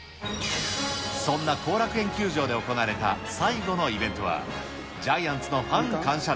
そんな後楽園球場で行われた最後のイベントは、ジャイアンツのファン感謝